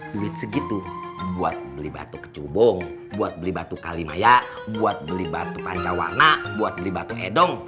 duit segitu buat beli batu kecubung buat beli batu kalimaya buat beli batu panca warna buat beli batu hedong